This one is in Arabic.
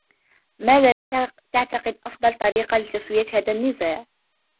ماذا تعتقد أفضل طريقة لتسوية هذا النزاع ؟